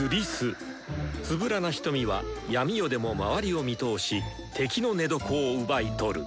つぶらな瞳は闇夜でも周りを見通し敵の寝床を奪い取る。